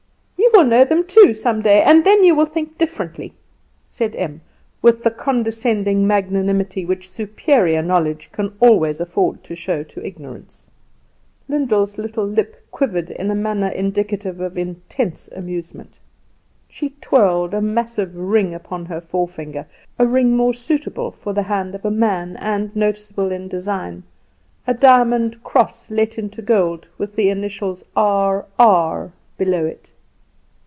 "You will know them too some day, and then you will think differently," said Em, with the condescending magnanimity which superior knowledge can always afford to show to ignorance. Lyndall's little lip quivered in a manner indicative of intense amusement. She twirled a massive ring upon her forefinger a ring more suitable for the hand of a man, and noticeable in design a diamond cross let into gold, with the initials "R.R." below it.